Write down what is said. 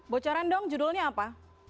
bocoran dong judulnya apa